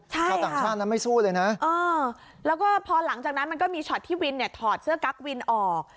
ชาวต่างชาตินั้นไม่สู้เลยนะแล้วก็พอหลังจากนั้นมันก็มีช็อตที่วินเนี่ยถอดเสื้อกั๊กวินออก